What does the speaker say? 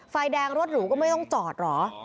ไฟแดงรถหรูก็ไม่ต้องจอดเหรอ